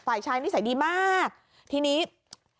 เพราะว่าที่พี่ไปดูมันเหมือนกับมันมีแค่๒รู